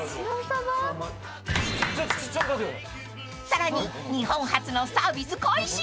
［さらに日本初のサービス開始］